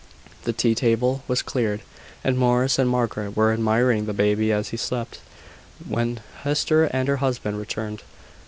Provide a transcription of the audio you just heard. The tea table was cleared, and Morris and Margaret were admiring the baby as he slept, when Hester and her husband returned.